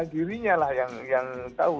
dirinya lah yang tahu